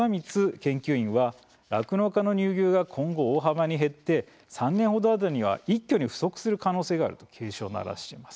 研究員は酪農家の乳牛が今後大幅に減って３年程あとには一挙に不足する可能性があると警鐘を鳴らします。